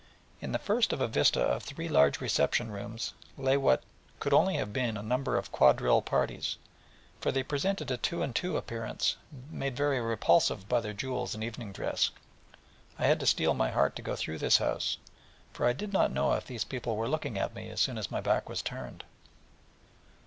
In the first of a vista of three large reception rooms lay what could only have been a number of quadrille parties, for to the coup d'oeil they presented a two and two appearance, made very repulsive by their jewels and evening dress. I had to steel my heart to go through this house, for I did not know if these people were looking at me as soon as my back was turned.